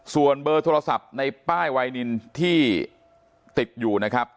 ส่วนเบอร์โทรศัพท์ในป้ายไวนินที่ติดอยู่นะครับ